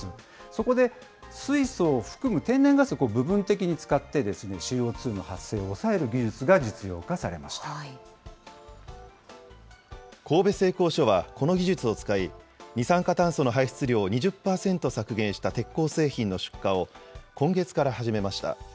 そこで、水素を含む天然ガスを部分的に使って、ＣＯ２の発生を抑神戸製鋼所は、この技術を使い、二酸化炭素の排出量を２０％削減した鉄鋼製品の出荷を今月から始めました。